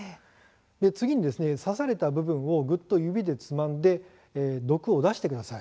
次に刺された部分をぐっと指でつまんで毒を出してください。